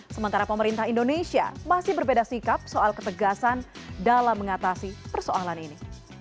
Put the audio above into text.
sementara pemerintah indonesia masih berbeda sikap soal ketegasan dalam mengatasi persoalan ini